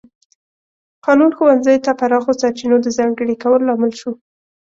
قانون ښوونځیو ته پراخو سرچینو د ځانګړي کولو لامل شو.